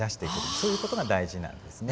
そういう事が大事になんですね。